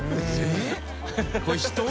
えっ！